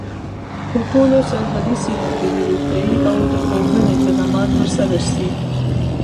په ټولو سرحدي سیمو کي دي روغتیايي او د پوهني خدمات تر سره سي.